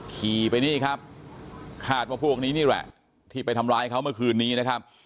ขี่ไปนี่ครับคาดว่าพวกนี้นี่แหละที่ไปทำร้ายเขาเมื่อคืนนี้นะครับ